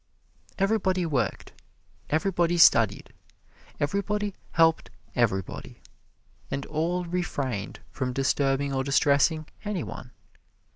Everybody worked, everybody studied, everybody helped everybody, and all refrained from disturbing or distressing any one.